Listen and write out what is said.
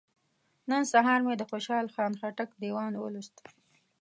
نن سهار مې د خوشحال خان خټک دیوان ولوست.